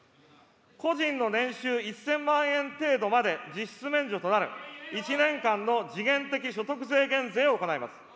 個人の年収１０００万円程度まで実質免除となる、１年間の時限的所得税減税を行います。